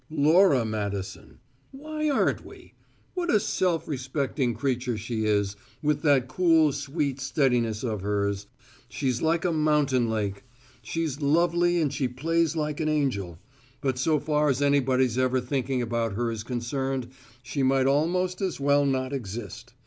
"Laura Madison. Why aren't we? What a self respecting creature she is, with that cool, sweet steadiness of hers she's like a mountain lake. She's lovely and she plays like an angel, but so far as anybody's ever thinking about her is concerned she might almost as well not exist.